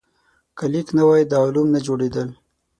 که لیک نه وای، دا علوم نه جوړېدل.